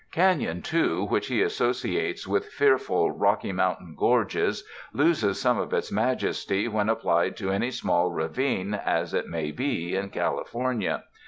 258 RESIDENCE IN THE LAND OF SUNSHINE Canon, too, which he associates with fearful Rocky Mountain gorges, loses some of its majesty when ap plied to any small ravine as it may be in California.